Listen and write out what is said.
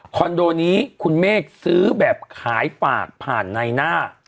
โดนี้คุณเมฆซื้อแบบขายฝากผ่านในหน้า